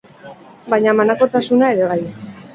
Baina banakotasuna ere bai.